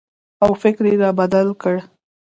او فکر یې را بدل کړ